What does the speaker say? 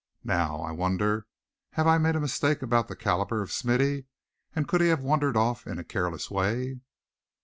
Now, I wonder have I made a mistake about the calibre of Smithy, and could he have wandered off in a careless way?"